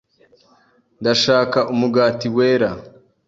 Ndashaka umugati wera.